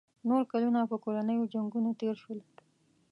نور کلونه په کورنیو جنګونو تېر شول.